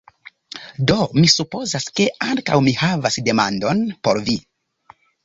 Do, mi supozas, ke ankaŭ mi havas demandon por vi!